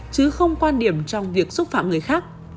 chứ không quan điểm trong việc xúc phạm người khác